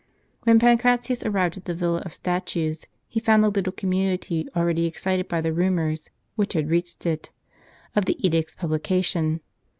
When Pancratius arrived at the Villa of Statues, he found the little community already excited, by the rumors, which had reached it, of the edict's publication.